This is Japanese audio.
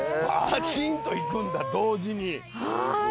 バチンといくんだ同時に。